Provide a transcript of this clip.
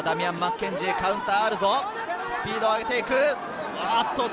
スピードを上げていく。